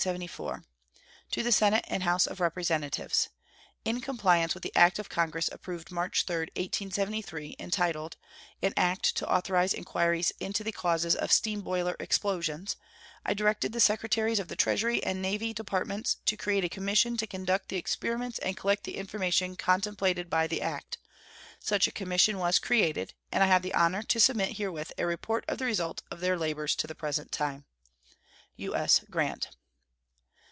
To the Senate and House of Representatives: In compliance with the act of Congress approved March 3, 1873, entitled "An act to authorize inquiries into the causes of steam boiler explosions," I directed the Secretaries of the Treasury and Navy Departments to create a commission to conduct the experiments and collect the information contemplated by the act. Such a commission was created, and I have the honor to submit herewith a report of the result of their labors to the present time. U.S. GRANT.